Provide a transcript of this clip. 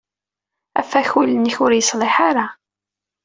Afakul-nnek ur yeṣliḥ ara.